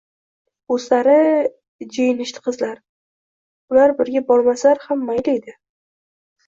-O’zlari. – Jiyinishdi qizlar. – Ular birga bormasalar ham mayliydi.